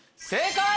正解！